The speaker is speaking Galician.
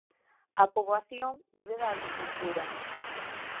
A poboación vive da agricultura.